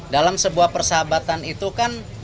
dalam sebuah persahabatan itu kan